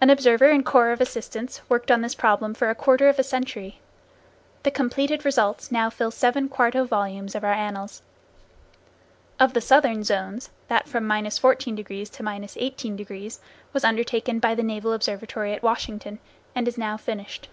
An observer and corps of assistants worked on this problem for a quarter of a century. The completed results now fill seven quarto volumes of our annals. Of the southern zones, that from 14° to 18° was undertaken by the Naval Observatory at Washington, and is now finished.